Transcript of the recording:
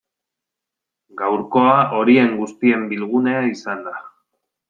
Gaurkoa horien guztien bilgunea izan da.